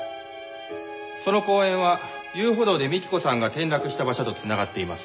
その公園は遊歩道で幹子さんが転落した場所と繋がっています。